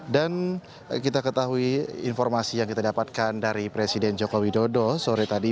dan kita ketahui informasi yang kita dapatkan dari presiden jokowi dodo sore tadi